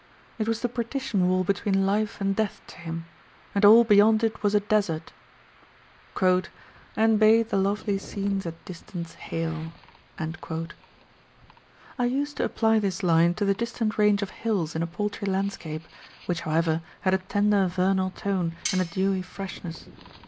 It was the partition wall between life and death to him, and all beyond it was a desert ! And bade the lovely scenes at distance hail. I used to apply this line to the distant range of hills in a paltry landscape, which however had a tender vernal tone and a dewy freshness.